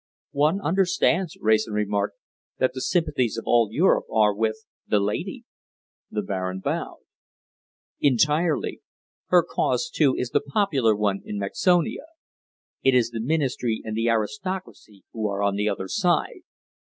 "One understands," Wrayson remarked, "that the sympathies of all Europe are with the lady." The Baron bowed. "Entirely. Her cause, too, is the popular one in Mexonia. It is the ministry and the aristocracy who are on the other side.